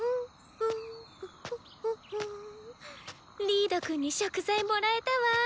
リードくんに食材もらえたわ。